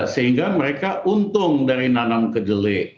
sehingga mereka untung dari nanam kejele